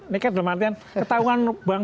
nekat dalam artian ketahuan bang